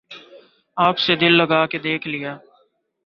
آپ سے دل لگا کے دیکھ لیا